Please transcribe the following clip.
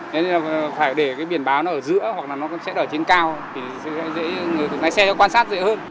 nên là phải để cái biển báo nó ở giữa hoặc là nó sẽ ở trên cao thì sẽ dễ người lái xe nó quan sát dễ hơn